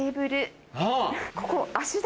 ここ。